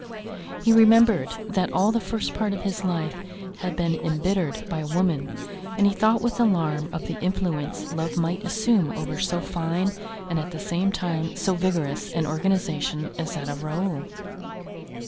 He remembered that all the first part of his life had been embittered by a woman and he thought with alarm of the influence love might assume over so fine, and at the same time so vigorous an organization as that of Raoul.